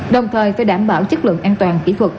đồng thời phải đảm bảo chất lượng an toàn kỹ thuật